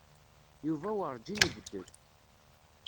Yuba werǧin ibeddel.